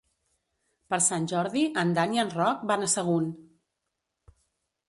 Per Sant Jordi en Dan i en Roc van a Sagunt.